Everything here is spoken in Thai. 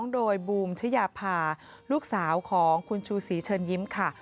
โดยบูมชะยาพาลูกสาวของคุณชูศรีเชิญยิ้มค่ะ